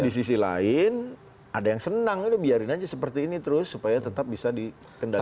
di sisi lain ada yang senang biarin aja seperti ini terus supaya tetap bisa dikendalikan